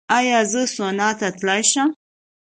ایا زه سونا ته تلی شم؟